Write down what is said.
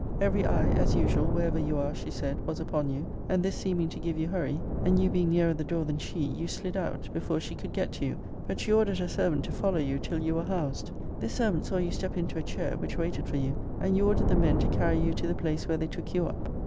Every eye, (as usual, wherever you are, she said,) was upon you; and this seeming to give you hurry, and you being nearer the door than she, you slid out, before she could get to you. But she ordered her servant to follow you till you were housed. This servant saw you step into a chair, which waited for you; and you ordered the men to carry you to the place where they took you up.